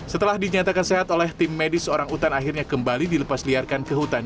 setelah dinyatakan sehat oleh tim medis orang utan akhirnya kembali dilepas liarkan ke hutan